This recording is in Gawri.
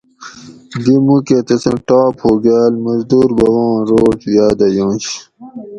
دی مُوکہ تسوں ٹاپ ہوگال مزدور بوباں روڛ یادہ یونش